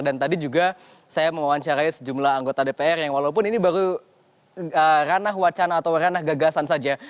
dan tadi juga saya mewawancarai sejumlah anggota dpr yang walaupun ini baru ranah wacana atau ranah gagasan saja